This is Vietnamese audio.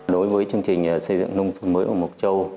đối với chương trình xây dựng nông thôn mới của mộc châu